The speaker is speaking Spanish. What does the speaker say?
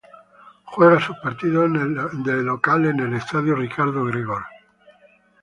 Juega sus partidos de local en el Estadio Ricardo Gregor.